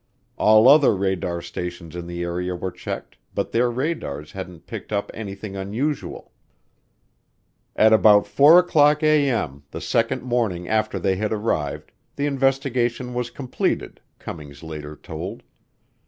All other radar stations in the area were checked, but their radars hadn't picked up anything unusual. At about 4:00A.M. the second morning after they had arrived, the investigation was completed, Cummings later told.